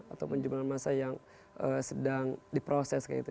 ataupun jumlah masa yang sedang diproses kayak gitu